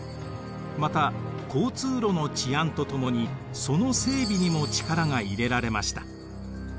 また交通路の治安とともにその整備にも力が入れられました。